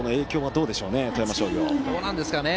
どうでしょうね。